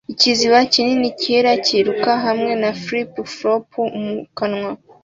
ikiziba kinini cyera kiruka hamwe na flip-flop mu kanwa